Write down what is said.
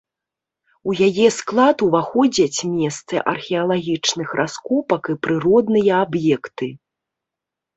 У яе склад уваходзяць месцы археалагічных раскопак і прыродныя аб'екты.